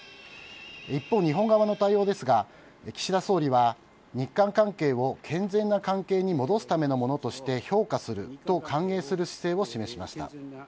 一方、日本側の対応ですが岸田総理は日韓関係を健全な関係に戻すためのものとして評価すると歓迎する姿勢を示しました。